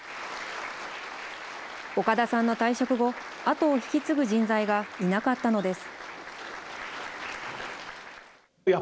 岡田さんの退職後、後を引き継ぐ人材がいなかったのです。